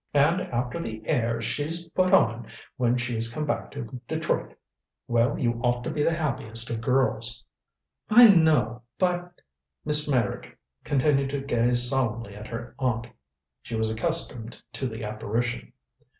And after the airs she's put on when she's come back to Detroit well, you ought to be the happiest of girls." "I know but " Miss Meyrick continued to gaze solemnly at her aunt. She was accustomed to the apparition.